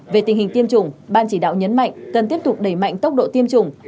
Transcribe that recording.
về tình hình tiêm chủng ban chỉ đạo nhấn mạnh cần tiếp tục đẩy mạnh tốc độ tiêm chủng